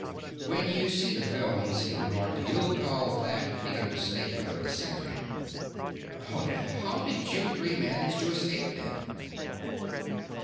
"When you see the films," he remarked, "you'll call that the understatement of the century. Honath, how did you three manage to escape, then?"